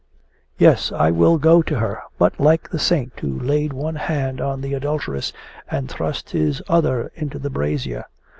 'Yes, I will go to her, but like the Saint who laid one hand on the adulteress and thrust his other into the brazier.